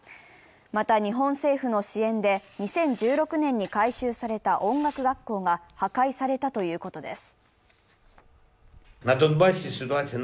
また日本政府の支援で２０１６年に改修された音楽学校が破壊されたということです。